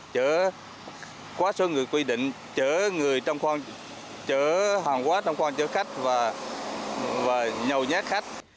chữa quá số người quy định chữa người trong khoan chữa hàng quá trong khoan chữa khách và nhồi nhét khách